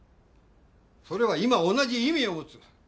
それは今同じ意味を持つ。